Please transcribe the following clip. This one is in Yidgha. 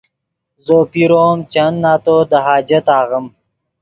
زو پیرو ام چند نتو دے حاجت آغیم